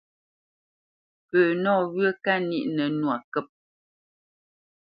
Pə nɔwyə̂ kâ níʼ nə́ nwâ kə̂p.